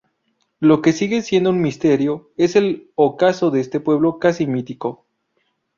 Lo que sigue siendo un misterio es el ocaso de este pueblo casi mítico.